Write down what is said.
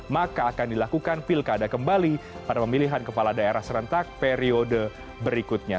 maka akan dilakukan pilkada kembali pada pemilihan kepala daerah serentak periode berikutnya